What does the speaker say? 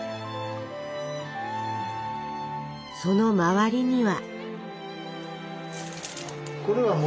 その周りには。